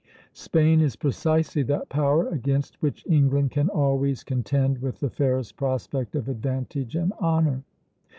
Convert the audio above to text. "Spain is precisely that power against which England can always contend with the fairest prospect of advantage and honor.